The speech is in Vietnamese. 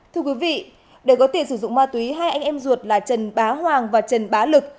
thưa quý vị để có tiền sử dụng ma túy hai anh em ruột là trần bá hoàng và trần bá lực